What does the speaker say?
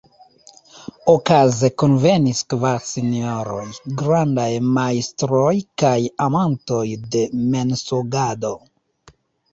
Okaze kunvenis kvar sinjoroj, grandaj majstroj kaj amantoj de mensogado.